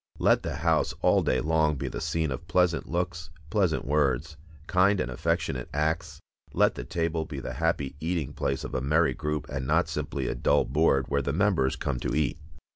Let the house all day long be the scene of pleasant looks, pleasant words, kind and affectionate acts; let the table be the happy eating place of a merry group, and not simply a dull board where the members come to eat.